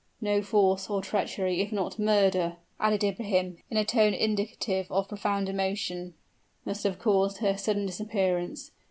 No; force or treachery if not murder," added Ibrahim, in a tone indicative of profound emotion, "must have caused her sudden disappearance.